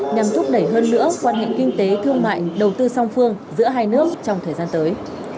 nhằm thúc đẩy hơn nữa quan hệ kinh tế thương mại đầu tư song phương giữa hai nước trong thời gian tới